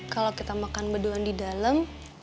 kalau kita makan beduan di dalam